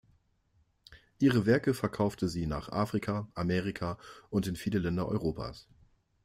Ihre Werke verkaufte sie nach Afrika, Amerika und in viele Länder Europas.